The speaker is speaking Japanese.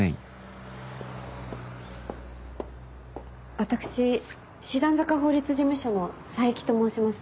私師団坂法律事務所の佐伯と申します。